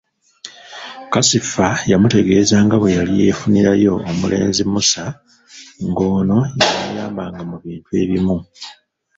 Kasifa yamutegeeza nga bwe yali yeefunirayo omulenzi Musa nga ono ye yamuyambanga mu bintu ebimu.